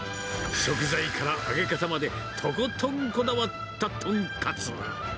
食材から揚げ方まで、とことんこだわった豚カツ。